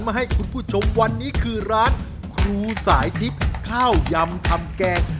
มาให้คุณผู้ชมวันนี้คือร้านครูสายทิพย์ข้าวยำทำแกง